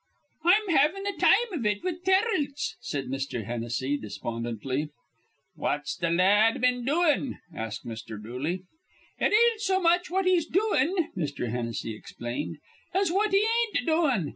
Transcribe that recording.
"I'm havin' a time iv it with Terence," said Mr. Hennessy, despondently. "What's th' la ad been doin'?" asked Mr. Dooley. "It ain't so much what he's doin'," Mr. Hennessy explained, "as what he ain't doin.'